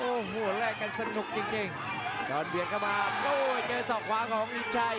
โอ้โหแรกกันสนุกจริงจอนเบียนกลับมาโอ้โหเจอส่อขวาของอินชัย